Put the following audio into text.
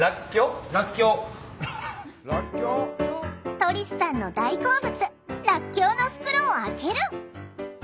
トリスさんの大好物らっきょうの袋を開ける！